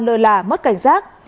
lơ là mất cảnh giác